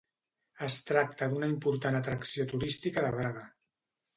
Es tracta d'una important atracció turística de Braga.